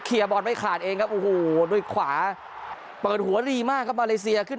บอลไม่ขาดเองครับโอ้โหด้วยขวาเปิดหัวลีมากครับมาเลเซียขึ้น